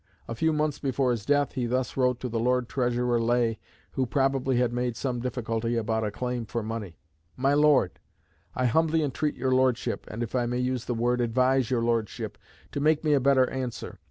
A few months before his death he thus wrote to the Lord Treasurer Ley, who probably had made some difficulty about a claim for money: "MY LORD, I humbly entreat your Lordship, and (if I may use the word) advise your Lordship to make me a better answer.